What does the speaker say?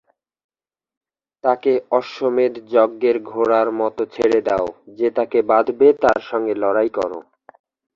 তাকে অশ্বমেধযজ্ঞের ঘোড়ার মতো ছেড়ে দাও, যে তাকে বাঁধবে তার সঙ্গে লড়াই করো।